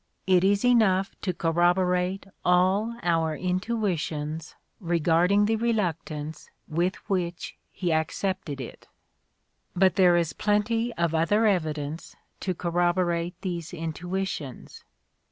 It is enough to corroborate all our intuitions regarding the reluctance with which he accepted it. In the Crucible 85 But there is plenty of other evidence to corroborate these intuitions.